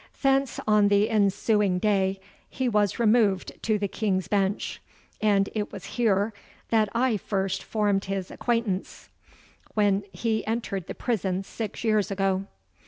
Thence on the ensuing day he was removed to the King's Bench: and it was here that I first formed his acquaintance, when he entered the prison six years ago.